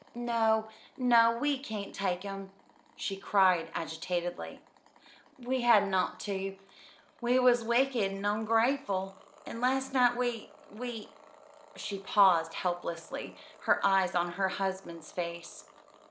"No, no, we can't take 'em," she cried agitatedly. "We hadn't ought to. We was wicked and ongrateful, and last night we we " She paused helplessly, her eyes on her husband's face.